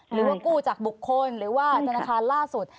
หรือว่ากู้จากบุคคลหรือว่าธนาคารล่าสุด